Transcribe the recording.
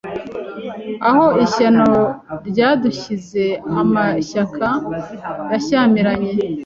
Aho ishyano ryadushyizeAmashyaka yashyamiranye